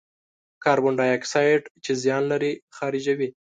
کاربن دای اکساید چې زیان لري، خارجوي.